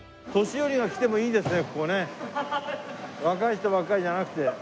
若い人ばっかりじゃなくて。